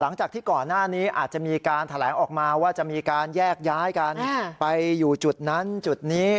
หลังจากที่ก่อนหน้านี้อาจจะมีการแถลงออกมาว่าจะมีการแยกย้ายกันไปอยู่จุดนั้นจุดนี้